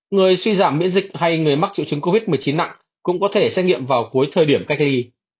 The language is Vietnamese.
người suy giảm miễn dịch hay người mắc triệu chứng covid một mươi chín nặng cũng có thể xét nghiệm vào cuối thời điểm cách ly